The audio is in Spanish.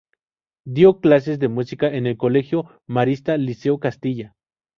Dio clases de música en el colegio marista Liceo Castilla.